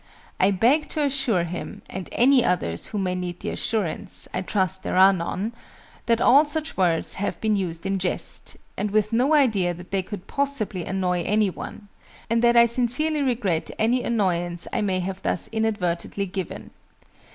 I beg to assure him (and any others who may need the assurance: I trust there are none) that all such words have been used in jest, and with no idea that they could possibly annoy any one, and that I sincerely regret any annoyance I may have thus inadvertently given.